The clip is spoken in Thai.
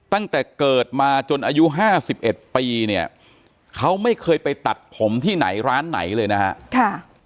ตั้งแต่เกิดมาจนอายุ๕๑ปีเนี่ยเขาไม่เคยไปตัดผมที่ไหนร้านไหนเลยนะฮะ